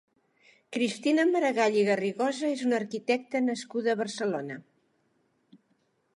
Cristina Maragall i Garrigosa és una arquitecta nascuda a Barcelona.